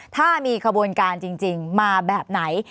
ถ้ามีขบวนการจริงมาแบบไหน